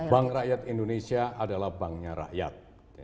bank rakyat indonesia adalah banknya rakyat